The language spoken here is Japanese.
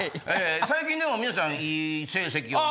最近でも皆さんいい成績を。